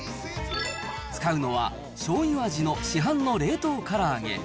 使うのは、しょうゆ味の市販の冷凍から揚げ。